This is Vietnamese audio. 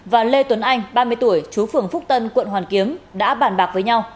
và lê tuấn anh ba mươi tuổi chú phường phúc tân quận hoàn kiếm đã bàn bạc với nhau